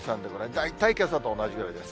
大体けさと同じぐらいです。